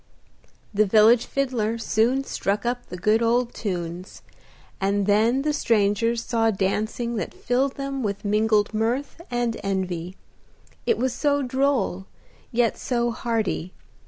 The village fiddler soon struck up the good old tunes, and then the strangers saw dancing that filled them with mingled mirth and envy; it was so droll, yet so hearty.